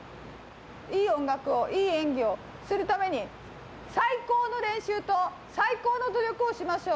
いい音楽を、いい演技をするために、最高の練習と、最高の努力をしましょう。